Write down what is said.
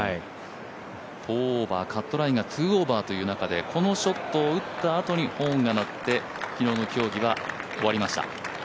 ４オーバー、カットラインが２オーバーということでこのショットを打ったあとに、ホーンが鳴って昨日の競技は終わりました。